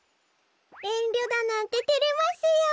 えんりょだなんててれますよ。